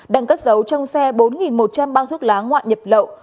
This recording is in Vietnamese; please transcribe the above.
đang cất giấu trong xe bốn một trăm linh bao thuốc lá ngoại nhập lậu